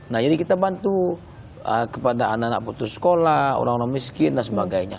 nah jadi kita bantu kepada anak anak putus sekolah orang orang miskin dan sebagainya